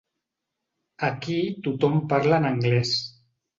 Aquí tothom parla en anglès.